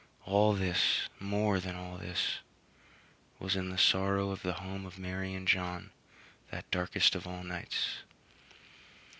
All this more than all this was in the sorrow of the home of Mary and John that darkest of all nights.